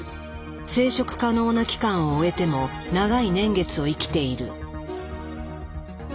生殖可能な期間を終えても長い年月を生きている。